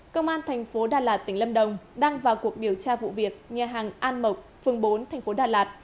công an thành phố đà lạt tỉnh lâm đồng đang vào cuộc điều tra vụ việc nhà hàng an mộc phường bốn thành phố đà lạt